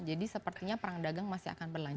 jadi sepertinya perang dagang masih akan berlangsung